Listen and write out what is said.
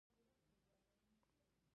سپما کول د اقتصاد برخه ده